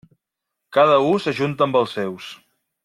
Cada u s'ajunta amb els seus.